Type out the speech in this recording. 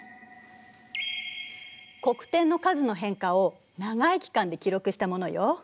黒点の数の変化を長い期間で記録したものよ。